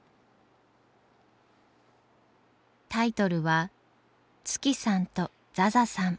タイトルは「月さんとザザさん」。